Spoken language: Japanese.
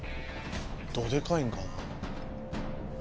どでかいんかな？